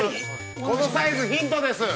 このサイズ、ヒントです。